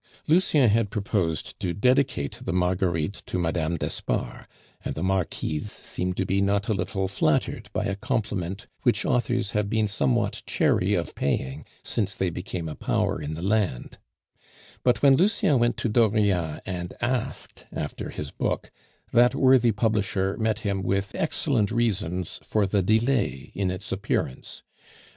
Lucien had proposed to dedicate the Marguerites to Mme. d'Espard, and the Marquise seemed to be not a little flattered by a compliment which authors have been somewhat chary of paying since they became a power in the land; but when Lucien went to Dauriat and asked after his book, that worthy publisher met him with excellent reasons for the delay in its appearance.